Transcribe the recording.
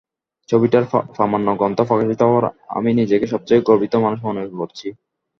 ছবিটির প্রামাণ্য গ্রন্থ প্রকাশিত হওয়ায় আমি নিজেকে সবচেয়ে গর্বিত মানুষ মনে করছি।